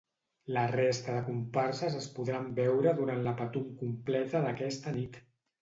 La resta de comparses es podran veure durant la Patum Completa d'aquesta nit.